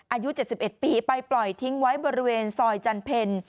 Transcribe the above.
อายุ๗๑ปีไปปล่อยทิ้งไว้บริเวณซอยจันเพ็ญ